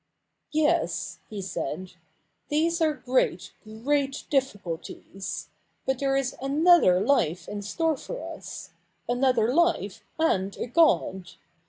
'Yes,' h^^ 5eki ; 'these are great, great difficulties. But therQ'js>.'.|fcnother life in store for us — another life, and a God.